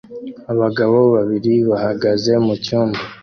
Abagabo babiri bahagaze mu cyumba